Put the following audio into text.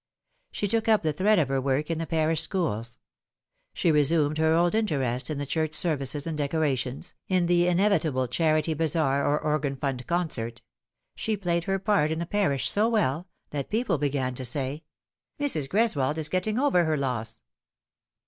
She took up the thread of her work in the parish schools ; she resumed her old interest in the church services and decorations, in the inevitable charity bazaar or organ fund concert. She played her part in the parish so well that people began to say, " Mrs. Greswold is getting over her loss."